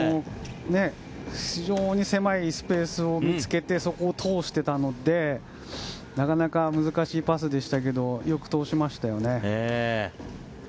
非常に狭いスペースを見つけてそこを通していたのでなかなか難しいパスでしたけどよく通しましたよね。